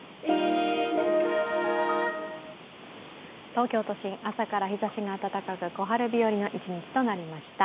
東京都心、朝から日ざしが温かく小春日和の一日となりました。